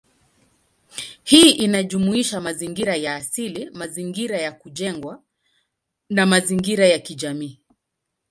Hii inajumuisha mazingira ya asili, mazingira ya kujengwa, na mazingira ya kijamii.